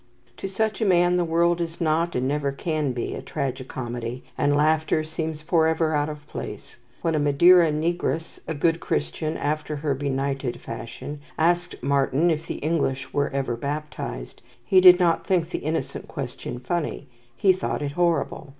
To such a man the world is not, and never can be, a tragi comedy, and laughter seems forever out of place. When a Madeira negress, a good Christian after her benighted fashion, asked Martyn if the English were ever baptized, he did not think the innocent question funny, he thought it horrible.